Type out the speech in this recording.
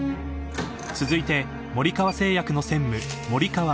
［続いて森川製薬の専務］